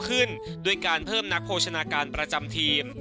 ด้วยการเพิ่มนักโภชนาการประจำทีม